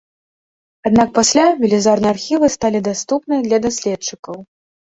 Аднак пасля велізарныя архівы сталі даступныя для даследчыкаў.